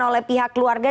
oleh pihak keluarga